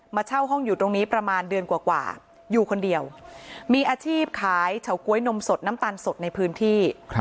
เช่าห้องอยู่ตรงนี้ประมาณเดือนกว่าอยู่คนเดียวมีอาชีพขายเฉาก๊วยนมสดน้ำตาลสดในพื้นที่